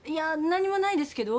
何もないですけど。